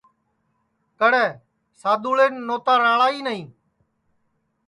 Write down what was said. کڑے سادؔوݪین نوتا راݪا ہی نائی